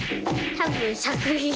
多分作品。